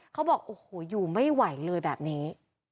เขาบอกโอ้โหอยู่ไม่ไหวเลยแบบนี้